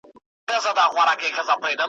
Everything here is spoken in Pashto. د شیدو پر ویاله ناسته سپینه حوره .